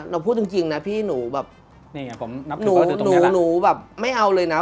พูดจริงนะพี่หนูแบบหนูแบบไม่เอาเลยนะ